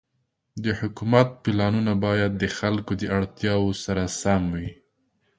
د حکومت پلانونه باید د خلکو د اړتیاوو سره سم وي.